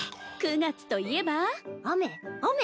９月といえば雨雨？